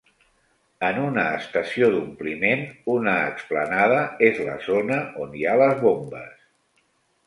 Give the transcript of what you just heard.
En una estació d'ompliment, una explanada és la zona on hi ha les bombes.